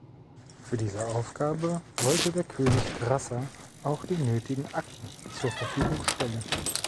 Für diese Aufgabe wollte der König Grasser auch die nötigen Akten zur Verfügung stellen.